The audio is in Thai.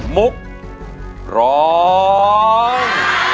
มุกร้อง